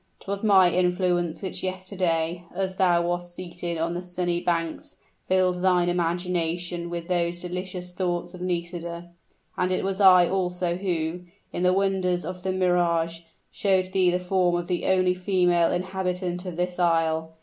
'Twas my influence which yesterday, as thou wast seated on the sunny banks, filled thine imagination with those delicious thoughts of Nisida. And it was I also who, by the wonders of the mirage, showed thee the form of the only female inhabitant of this isle.